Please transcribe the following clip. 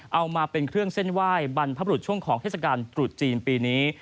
เอามาเป็นเครื่องเส้นไหว้บรรพบรุษช่วงของเทศกาลตรุษจีนปีนี้